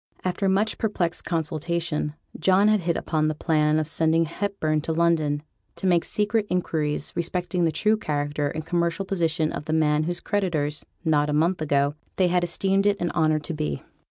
After much perplexed consultation, John had hit upon the plan of sending Hepburn to London to make secret inquiries respecting the true character and commercial position of the man whose creditors, not a month ago, they had esteemed it an honour to be.